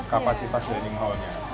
kapasitas dining hallnya